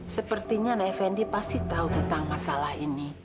sepertinya nek fendi pasti tahu tentang masalah ini